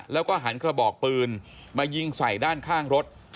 แล้วก็หันกระบอกปืนมายิงใส่ด้านข้างรถ